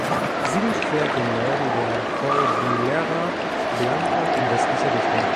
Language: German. Sie durchquert den Norden der Cordillera Blanca in westlicher Richtung.